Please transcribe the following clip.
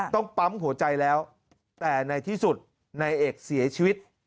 ต้องปั๊มหัวใจแล้วแต่ในที่สุดนายเอกเสียชีวิต